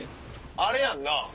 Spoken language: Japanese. あれやんな？